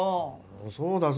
そうだぞ。